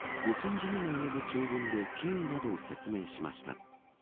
字にも及ぶ長文で経緯などを説明しました。